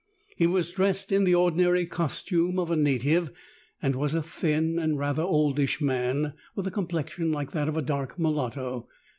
He was dressed in the ordinary costume of a native and was a thin and rather oldish man, with a complexion like that of a dark mulatto.